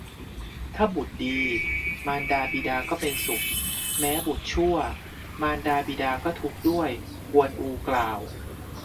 ถ้าบุตรดี มารดาบิดาก็เป็นสุข แม้บุตรชั่ว มารดาบิดาก็ทุกข์ด้วย กวนอูกล่าว